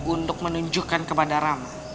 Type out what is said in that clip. untuk menunjukkan kepada rama